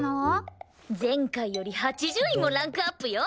前回より８０位もランクアップよ！